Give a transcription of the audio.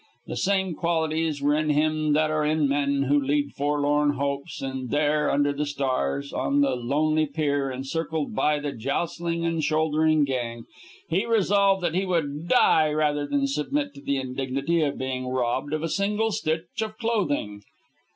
The same qualities were in him that are in men who lead forlorn hopes; and there, under the stars, on the lonely pier, encircled by the jostling and shouldering gang, he resolved that he would die rather than submit to the indignity of being robbed of a single stitch of clothing.